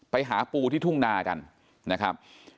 ไปหาปูที่ทุ่งนากันนะครับ